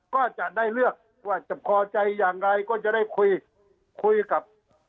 ก็จะได้เลือกว่าจะพอใจอย่างไรก็จะได้คุยคุยกับ